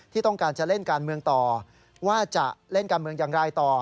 ที่ต้องการจะเล่นการเมืองต่อว่าจะเล่นการเมืองอย่างไรต่อ